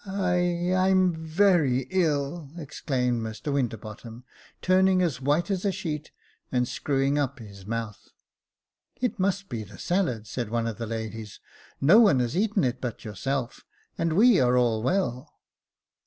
I — I'm very ill," exclaimed Mr Winter bottom, turning as white as a sheet, and screwing up his mouth. " It must be the salad," said one of the ladies ;" no one has eaten it but yourself, and we are all well."